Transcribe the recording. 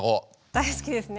大好きですね。